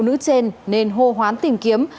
người phụ nữ trên nên hô hoán tìm kiếm